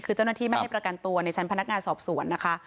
คือเจ้าหน้าที่ไม่ให้ประกันตัวในชั้นพนักงานสอบสวนนะคะ